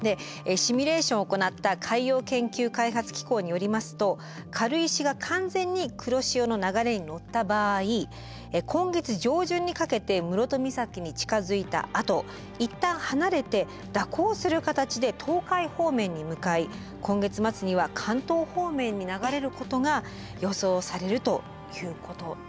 シミュレーションを行った海洋研究開発機構によりますと軽石が完全に黒潮の流れに乗った場合今月上旬にかけて室戸岬に近づいたあと一旦離れて蛇行する形で東海方面に向かい今月末には関東方面に流れることが予想されるということなんですが。